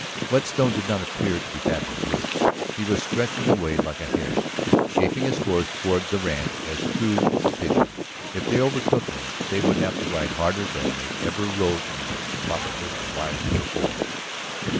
Whetstone did not appear to be badly hurt. He was stretching away like a hare, shaping his course toward the ranch as true as a pigeon. If they overtook him they would have to ride harder than they ever rode in their profitless lives before.